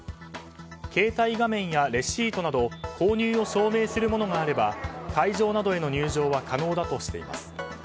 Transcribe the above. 携帯画面やレシートなど購入を証明するものがあれば会場などへの入場は可能だとしています。